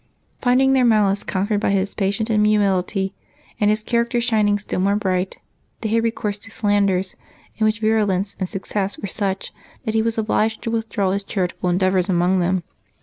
Finding their malice conquered by his patience and humility, and his character shining still more bright, they had recourse to slanders, in which their virulence and success were such that he was obliged to withdraw his charitable endeavors among them.